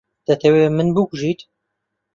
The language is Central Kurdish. دەتەوێت من بکوژیت؟